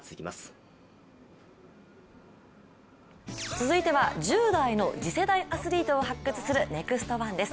続いては１０代の次世代アスリートを発掘する「ＮＥＸＴ☆１」です。